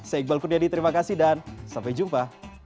saya iqbal kurniadi terima kasih dan sampai jumpa